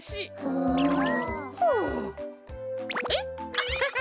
アハハ。